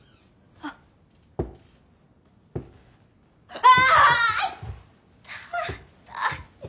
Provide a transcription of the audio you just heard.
ああ！